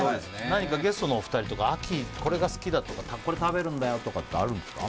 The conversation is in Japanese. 何かゲストのお二人とか秋これが好きだとかこれ食べるんだよとかってあるんですか？